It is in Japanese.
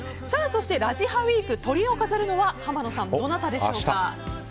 そして、「ラジハ」ウィークトリを飾るのは浜野さん、どなたでしょうか？